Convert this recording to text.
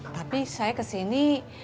tapi saya kesini